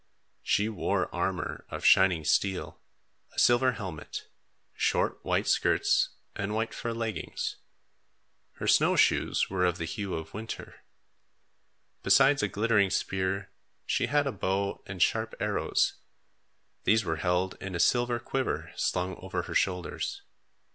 She wore armor of shining steel, a silver helmet, short white skirts and white fur leggings. Her snow shoes were of the hue of winter. Besides a glittering spear, she had a bow and sharp arrows. These were held in a silver quiver slung over her shoulders.